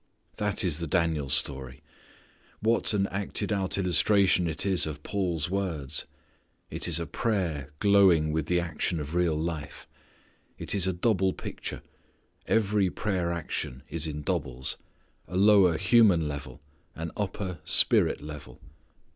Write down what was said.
That is the Daniel story. What an acted out illustration it is of Paul's words. It is a picture glowing with the action of real life. It is a double picture. Every prayer action is in doubles; a lower human level; an upper spirit level.